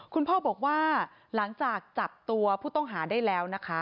คุณพ่อบอกว่าหลังจากจับตัวผู้ต้องหาได้แล้วนะคะ